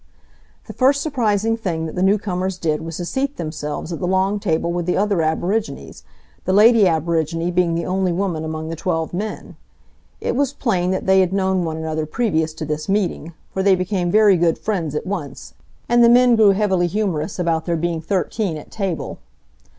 The first surprising thing that the new comers did was to seat themselves at the long table with the other aborigines, the lady aborigine being the only woman among the twelve men. It was plain that they had known one another previous to this meeting, for they became very good friends at once, and the men grew heavily humorous about there being thirteen at table.